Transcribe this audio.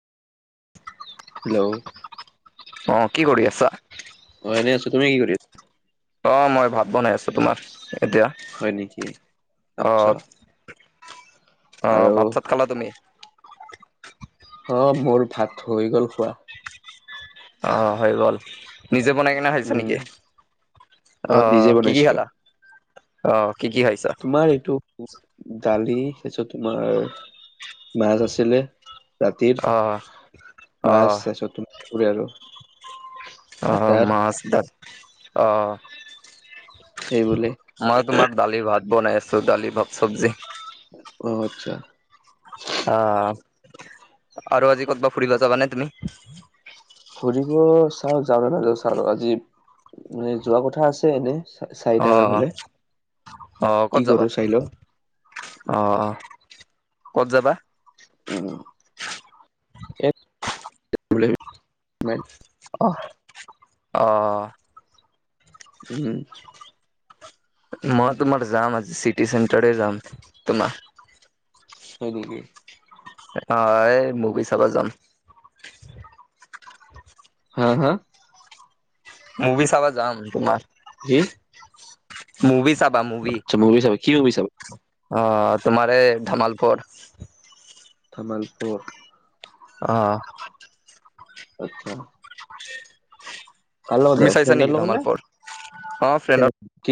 Hello. অ', কি কৰি আছা? মই এনে আছো তুমি কি কৰি আছা? অ', মই ভাত বনাই আছোঁ তোমাৰ। এতিয়া হয় নেকি আচ্ছা আহ। অ', আৰু ভাত চাত খালা তুমি। অ', মোৰ ভাত হৈ গ'ল খোৱা। অহ হৈ গ'ল। নিজে বনাই কিনে খাইছা উম নেকি? অ আহ নিজে কি কি বনাইছিলো খালা? অঁ কি কি খাইছা? তোমাৰ এইটো দালি তাৰপিছত তোমাৰ- মাছ আছিলে ৰাতিৰ, অ অ মাছ তাৰপিছত তোমাৰ- পৰে আৰু। অঁ অঁ আচাৰ মাছ তাত অঁ। এই বুলি! মই তোমাৰ দালি ভাত বনাই আছো, দালি, ভাত, চবজি। অঁ আচ্ছা। অঁ আৰু আজি ক'তবা ফুৰিব যাবানে তুমি? ফুৰিব চাওঁ যাওঁ না নাযাওঁ চাওঁ, আজি মানে যোৱা কথা আছে এনে। অ চাৰিটা ফালে, কি কৰো চাই লওঁ? অঁ অঁ কত যাবা? উম উম। [inaudible] [unintelligible] অহ, অঁ অঁ অঁ। উম, উম। মই তোমাৰ যাম আজি চিটি চেণ্টাৰে যাম তোমাৰ। হয় নেকি? অঁ এই মুভি চাব যাম। হা, হা! মুভি চাবা যাম তোমাৰ। কি? মুভি চাবা মুভি। আচ্ছা মুভি চাবা, কি মুভি চাবা? অঁ তোমাৰ এই ধমালপৰ। ধামালপুৰ। অঁ, অঁ। উম, উম। কাৰ লগত তুমি যাবা, চাইছা নেকি ফেইণ্ডৰ লগত ধমালপুৰ অ ফ্ৰেণ্ডৰ নে?